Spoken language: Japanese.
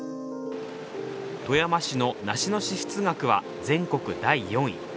富山市の梨の支出額は全国第４位。